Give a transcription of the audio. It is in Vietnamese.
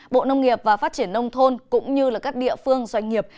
bộ nông nghiệp và phát triển nông thôn cũng như các địa phương doanh nghiệp